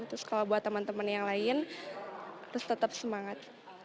terus kalau buat teman teman yang lain harus tetap semangat